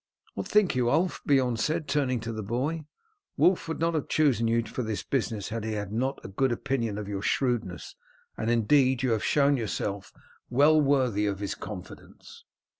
"What think you, Ulf?" Beorn said, turning to the boy. "Wulf would not have chosen you for this business had he not had a good opinion of your shrewdness; and, indeed, you have shown yourself well worthy of his confidence."